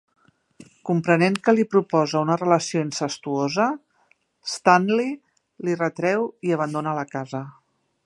Comprenent que li proposa una relació incestuosa, Stanley l'hi retreu i abandona la casa.